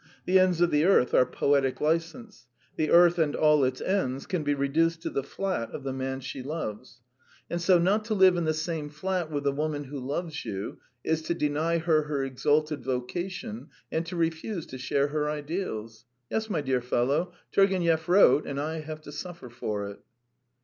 "The ends of the earth are poetic license; the earth and all its ends can be reduced to the flat of the man she loves. ... And so not to live in the same flat with the woman who loves you is to deny her her exalted vocation and to refuse to share her ideals. Yes, my dear fellow, Turgenev wrote, and I have to suffer for it."